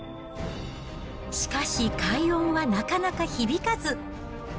しかし、快音はなかなか響かず。